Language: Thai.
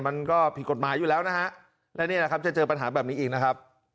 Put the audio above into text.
มันก็ผิดกฎหมายอยู่แล้วนะฮะและนี่แหละครับจะเจอปัญหาแบบนี้อีกนะครับ